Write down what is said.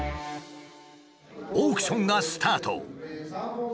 オークションがスタート。